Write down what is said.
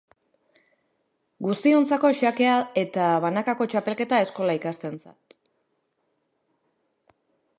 Guztiontzako xakea eta eta banakako txapelketa eskola-ikasleentzat.